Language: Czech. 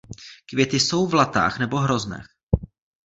Květy jsou v latách nebo hroznech.